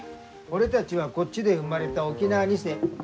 俺たちはこっちで生まれた沖縄二世。